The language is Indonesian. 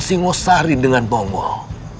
menyadari dengan bonggok